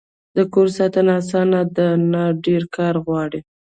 د کور ساتنه اسانه ده؟ نه، ډیر کار غواړی